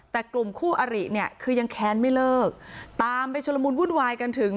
แต่กลุ่มคู่อริเนี่ยคือยังแค้นไม่เลิกตามไปชุลมุนวุ่นวายกันถึง